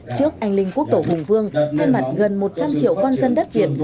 trước anh linh quốc tổ hùng vương thay mặt gần một trăm linh triệu con dân đất việt